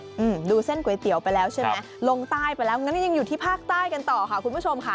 เค้ะเห็นดูเส้นก๋วยเตี๋ยวไปล่ะใช่ไหมลงใต้ไปแล้วเอาก็อยู่ที่ภาคใต้กันโต่ค่ะคุณผู้ชมค่ะ